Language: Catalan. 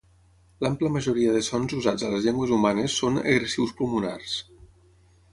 L'ampla majoria de sons usats a les llengües humanes són egressius pulmonars.